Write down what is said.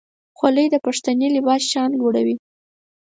خولۍ د پښتني لباس شان لوړوي.